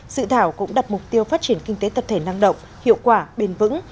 dự thảo cũng đặt mục tiêu phát triển kinh tế tập thể năng động hiệu quả bền vững